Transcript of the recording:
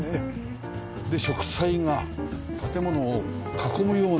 で植栽が建物を囲むような感じで。